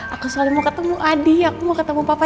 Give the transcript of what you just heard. aku selalu mau ketemu adik aku mau ketemu papa